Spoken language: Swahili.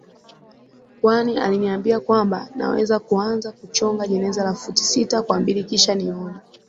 kwani aliniambia kwamba naweza kuanza kuchonga jeneza la futi sita kwa mbili kisha nione